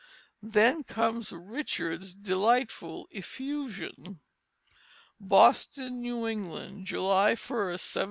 Then comes Richard's delightful effusion: "BOSTON, NEW ENGLAND, July 1, 1719.